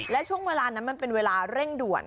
และช่วงเวลานั้นมันเป็นเวลาเร่งด่วน